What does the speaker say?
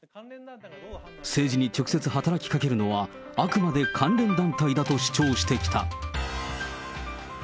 政治に直接働きかけるのは、あくまで関連団体だと主張してきた。